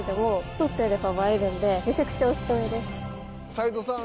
齊藤さん